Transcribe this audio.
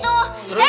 si motornya itu